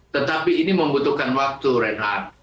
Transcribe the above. tetapi ini membutuhkan waktu reinhardt